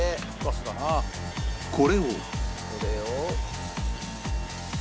これを